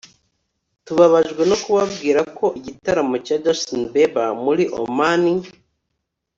“Tubabajwe no kubabwira ko igitaramo cya Justin Bieber muri Oman